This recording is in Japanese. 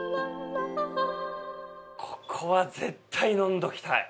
ここは絶対飲んでおきたい。